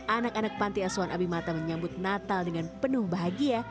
anak anak panti asuhan abimata menyambut natal dengan penuh bahagia